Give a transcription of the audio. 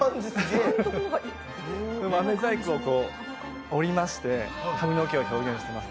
あめ細工を折りまして、髪の毛を表現しています。